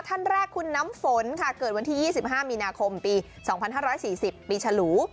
ท่านแรกคุณน้ำฝนค่ะเกิดวันที่๒๕มีนาคมปี๒๕๔๐ปีฉลู